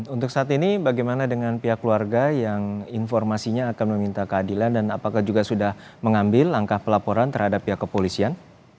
untuk saat ini bagaimana dengan pihak keluarga yang informasinya akan meminta keadilan dan apakah juga sudah mengambil langkah pelaporan terhadap pihak kepolisian